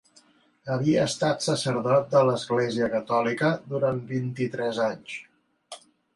Havia estat sacerdot de l'Església catòlica durant vint-i-tres anys.